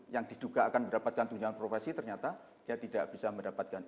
yang diduga akan mendapatkan tunjangan profesi ternyata dia tidak bisa mendapatkan